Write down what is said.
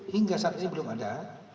hingga saat ini belum ada